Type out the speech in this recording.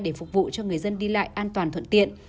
để phục vụ cho người dân đi lại an toàn thuận tiện